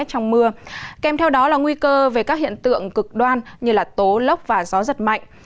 trong mưa kèm theo đó là nguy cơ về các hiện tượng cực đoan như tố lốc và gió giật mạnh